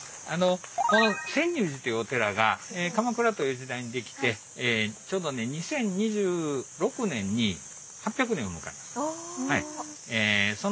この泉涌寺というお寺が鎌倉という時代に出来てちょうどね２０２６年に８００年を迎えます。